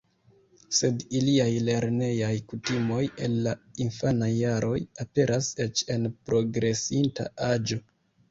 Sed iliaj lernejaj kutimoj el la infanaj jaroj aperas eĉ en progresinta aĝo.